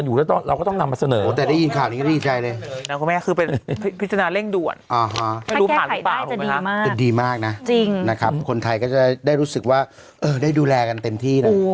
จะดูผ่านหรือเปล่าถูกไหมครับถ้าแค่ไข่ได้จะดีมากจริงนะครับคนไทยก็จะได้รู้สึกว่าเออได้ดูแลกันเต็มที่นะ